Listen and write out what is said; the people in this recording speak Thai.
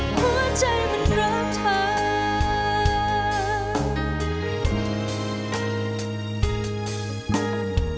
หัวใจมันรับทาย